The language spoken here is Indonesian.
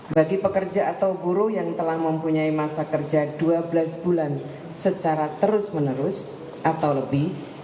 bagi pekerja atau guru yang telah mempunyai masa kerja dua belas bulan secara terus menerus atau lebih